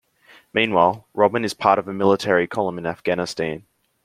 Meanwhile, Robin is part of a military column in Afghanistan.